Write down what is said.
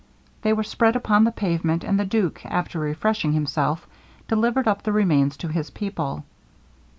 They were spread upon the pavement; and the duke, after refreshing himself, delivered up the remains to his people.